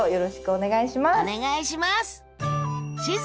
お願いします！